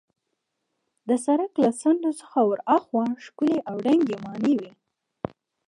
د سړک له څنډو څخه ورهاخوا ښکلې او دنګې ماڼۍ وې.